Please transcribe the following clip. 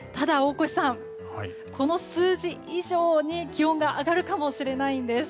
ただ、この数字以上に気温が上がるかもしれないんです。